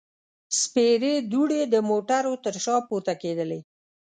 سپېرې دوړې د موټرو تر شا پورته کېدلې.